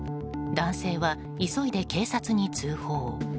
男性は、急いで警察に通報。